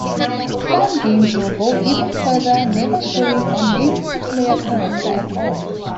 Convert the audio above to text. Some games will go even further, never showing or naming the player-character at all.